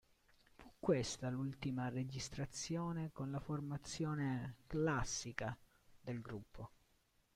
Fu questa l'ultima registrazione con la formazione "classica" del gruppo.